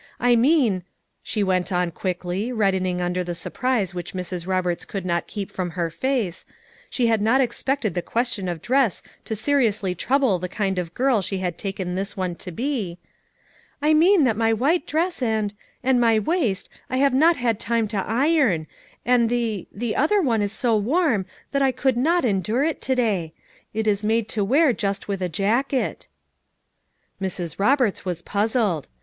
I mean," she went on quickly, reddening under the surprise which Mrs. Roberts could not keep from her face, — she had not expected the ques tion of dress to seriously trouble the kind of girl she had taken this one to be — "I mean that my white dress and — and my waist I have not 158 FOUR MOTHERS AT CHAUTAUQUA had time to iron, and the — tlio other one is bo warm that I could not endure it to day. It is made to wear just with a jacket." Mrs. Roberts was puzzled.